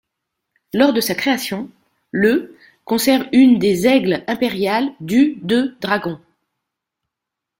Lors de sa création, le conserve une des aigle impériale du de dragons.